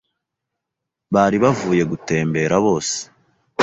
bari bavuye gutembera bose